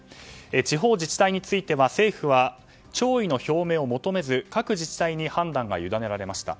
地方自治体については政府は弔意の表明を求めず各自治体に判断が求められました。